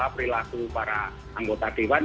perilaku para anggota dewan